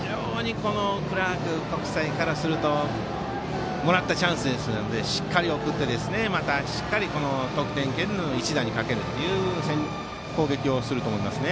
クラーク国際としてはもらったチャンスですのでしっかり送ってしっかり得点圏での一打にかけるという攻撃をすると思いますね。